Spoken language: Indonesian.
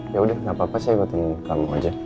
ya udah gakpapa saya ikutin kamu aja